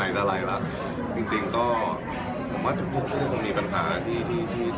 อยากน้องชายพบให้สังพันธ์ประมาณว่าเพราะแบบไม่พบเองมีแทนสไตล์ใหม่อะไรแบบนี้หรอ